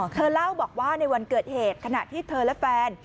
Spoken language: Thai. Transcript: เธอเล่าบอกว่าในวันเกิดเหตุขณะที่เธอและแฟน